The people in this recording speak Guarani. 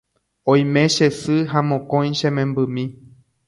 Oime che sy ha mokõi che membymi